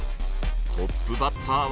トップバッターは。